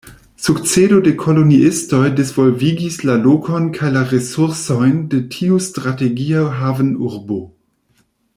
Sukcedo de koloniistoj disvolvigis la lokon kaj la resursojn de tiu strategia havenurbo.